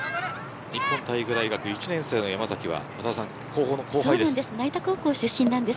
日本体育大学１年生の山崎は高校の後輩です。